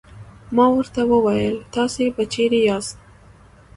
ما ورته وویل: تاسې به چیرې یاست؟